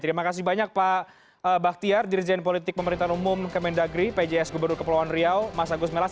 terima kasih banyak pak bahtiar dirjen politik pemerintahan umum kemendagri pjs gubernur kepulauan riau mas agus melas